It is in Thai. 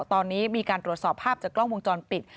ตอนนี้มีการตรวจสอบภาพจากกล้องวงจรปิด